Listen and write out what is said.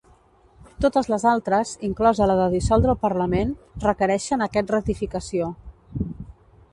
Totes les altres, inclosa la de dissoldre el parlament, requereixen aquest ratificació